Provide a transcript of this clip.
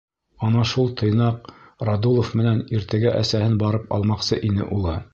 Ана шул тыйнаҡ Радулов менән иртәгә әсәһен барып алмаҡсы ине улы.